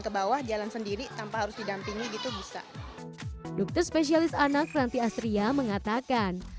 ke bawah jalan sendiri tanpa harus didampingi gitu bisa dokter spesialis anak ranti astria mengatakan